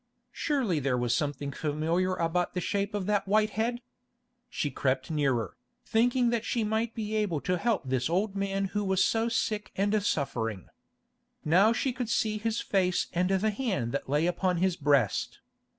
Surely there was something familiar about the shape of that white head. She crept nearer, thinking that she might be able to help this old man who was so sick and suffering. Now she could see his face and the hand that lay upon his breast.